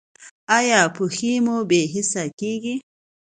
ایا پښې مو بې حسه کیږي؟